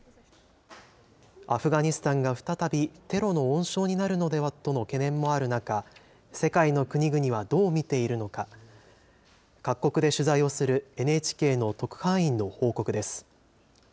アフガニスタンが再びテロの温床になるのではとの懸念もある中、世界の国々はどう見ているのか、各国で取材をするＮＨＫの特派員の報告です。